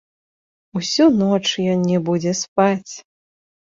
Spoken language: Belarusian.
Усю ноч ён не будзе спаць!